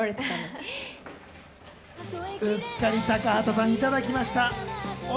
うっかり高畑さんいただきました。